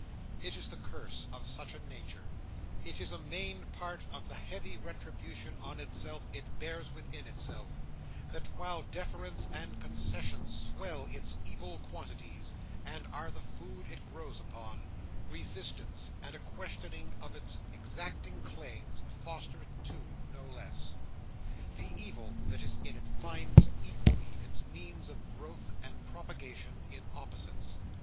It is the curse of such a nature—it is a main part of the heavy retribution on itself it bears within itself—that while deference and concession swell its evil qualities, and are the food it grows upon, resistance and a questioning of its exacting claims, foster it too, no less. The evil that is in it finds equally its means of growth and propagation in opposites.